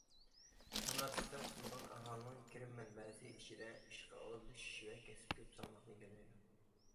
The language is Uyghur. نامراتلىقتىن قۇتۇلغان ئاھالىنىڭ كىرىم مەنبەسى ئىچىدە، ئىشقا ئورۇنلىشىش ۋە كەسىپ كۆپ سالماقنى ئىگىلەيدۇ.